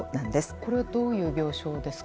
これはどういう病床ですか？